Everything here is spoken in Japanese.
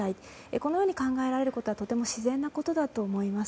このように考えられることはとても自然なことだと思います。